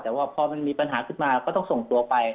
แต่พอมีปัญหาขึ้นมาก็ต้องส่งตัวไป